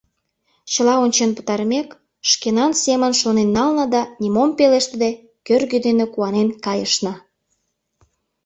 Чыла ончен пытарымек, шкенан семын шонен нална да, нимом пелештыде, кӧргӧ дене куанен кайышна.